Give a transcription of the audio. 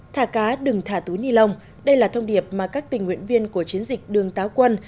thả cá đừng thả túi ni lông đây là thông điệp mà các tình nguyện viên của chiến dịch đường táo quân